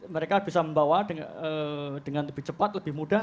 mereka bisa membawa dengan lebih cepat lebih mudah